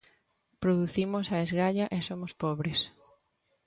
"Producimos a esgalla e somos pobres".